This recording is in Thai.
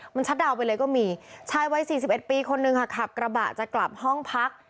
มันชัดดาวนไปเลยก็มีชายวัย๔๑ปีคนนึงค่ะขับกระบะจะกลับห้องพัก